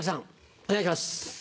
お願いします。